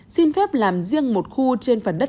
xin phép làm riêng một khu trên phần đất